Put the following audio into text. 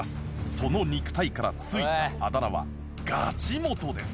その肉体から付いたあだ名は「ガチモト」です。